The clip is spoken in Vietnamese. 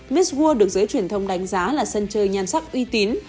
miết world được giới truyền thông đánh giá là sân chơi nhan sắc uy tín